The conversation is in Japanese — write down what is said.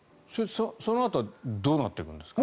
そのあとどうなっていくんですか？